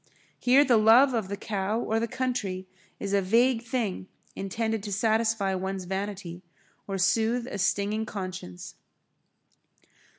Here the love of the cow or the country is a vague thing intended to satisfy one's vanity, or soothe a stinging conscience.